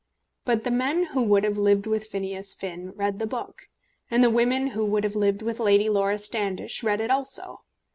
But the men who would have lived with Phineas Finn read the book, and the women who would have lived with Lady Laura Standish read it also.